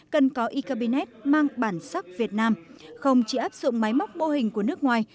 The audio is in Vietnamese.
cần có e cabinet mang bản sắc việt nam không chỉ áp dụng máy móc mô hình của nước ngoài